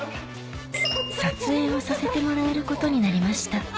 撮影をさせてもらえることになりました